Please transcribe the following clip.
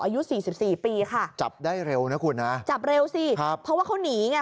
อายุสี่สิบสี่ปีค่ะจับได้เร็วนะคุณฮะจับเร็วสิครับเพราะว่าเขาหนีไง